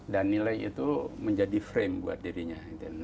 dan nilai itu menjadi frame buat dirinya